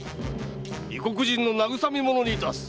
異国人の慰み者に致す。